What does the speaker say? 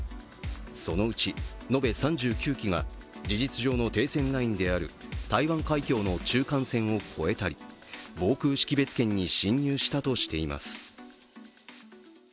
そのうち延べ３９機が事実上の停戦ラインである台湾海峡の中間線を越えたり防空識別圏に進入したとしています。